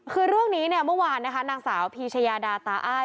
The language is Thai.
คือเรื่องนี้เนี่ยเมื่อวานนะคะนางสาวพีชยาดาตาอ้าย